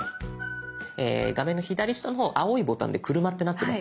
画面の左下の方青いボタンで「車」ってなってますよね。